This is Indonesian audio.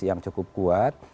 yang cukup kuat